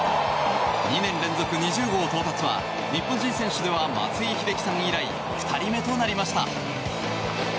２年連続２０号到達は日本人選手では松井秀喜さん以来２人目となりました。